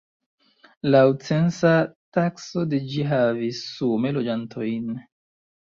Laŭ censa takso de ĝi havis sume loĝantojn.